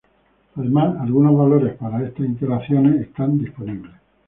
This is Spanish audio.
Además, algunos valores para estas interacciones están disponibles.